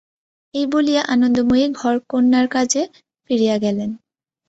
এই বলিয়া আনন্দময়ী ঘরকরনার কাজে ফিরিয়া গেলেন।